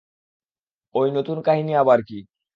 এই নতুন কাহিনী আবার কী?